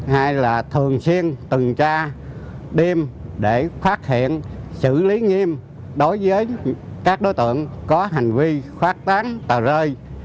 hai là thường xuyên từng tra đêm để phát hiện xử lý nghiêm đối với các đối tượng có hành vi phát tán tờ rơi